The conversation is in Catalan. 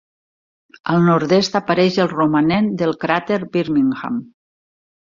Al nord-est apareix el romanent del cràter Birmingham.